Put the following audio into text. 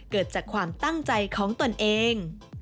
เกิดจากความตั้งใจของตนเอง